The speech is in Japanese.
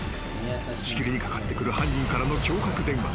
しきりにかかってくる犯人からの脅迫電話。